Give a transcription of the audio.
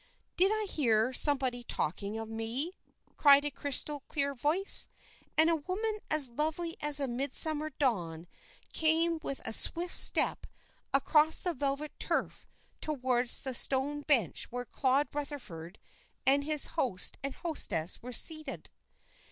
"Did I hear somebody talking of me?" cried a crystal clear voice, and a woman as lovely as a midsummer dawn came with swift step across the velvet turf towards the stone bench where Claude Rutherford and his host and hostess were seated.